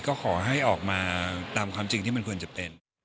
ก็ขอให้ออกมาตามความจริงที่มันควรจะเป็น